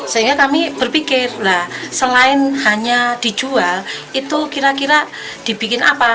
sehingga kami berpikir selain hanya dijual itu kira kira dibikin apa